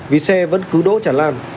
vì xe vẫn cứ đỗ chả lan